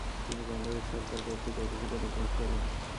তিনি বাংলাদেশ সরকার কর্তৃক একুশে পদক লাভ করেন।